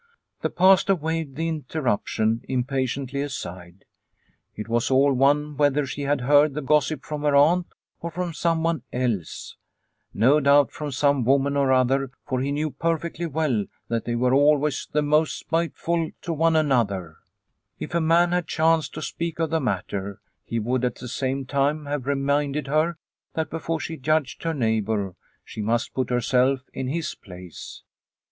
The Pastor waved the in terruption impatiently aside. It was all one whether she had heard the gossip from her aunt or from someone else. No doubt from some woman or other, for he knew perfectly well that they were always the most spiteful to one 224 Liliecrona's Home another. If a man had chanced to speak of the matter he would at the same time have reminded her that before she judged her neighbour she must put herself in his place.